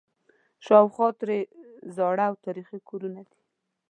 شاوخوا ترې زاړه او تاریخي کورونه دي.